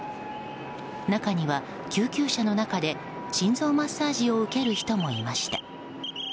中には救急車の中で心臓マッサージを受ける人もいました。